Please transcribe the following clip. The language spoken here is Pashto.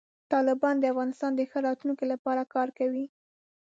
طالبان د افغانستان د ښه راتلونکي لپاره کار کوي.